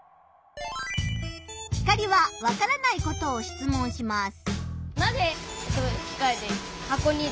ヒカリはわからないことを質問します。